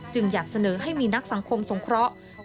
อยากเสนอให้มีนักสังคมสงเคราะห์